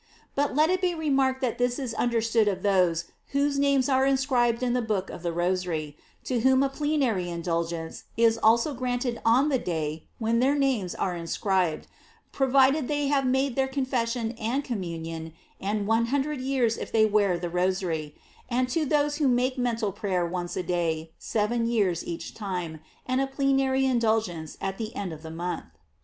But let it be remarked that this is understood of those whose names are inscribed in the book of the Rosary, to whom a plenary indulgence is also granted on the day when their names are in scribed, provided they have made their con fession, and communion, and one hundred years if they wear the Rosary; and to those who make mental prayer once a day, seven years each time, and a plenary indulgence at the end of the month.